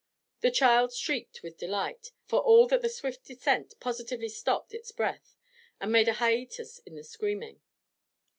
The child shrieked with delight, for all that the swift descent positively stopped its breath, and made a hiatus in the screaming.